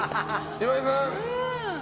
岩井さん。